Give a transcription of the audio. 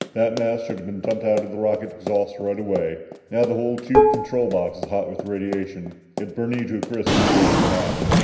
That mass should have been dumped out of the rocket exhaust right away. Now the whole tube control box is so hot with radiation, it'd burn you to a crisp if you opened the hatch."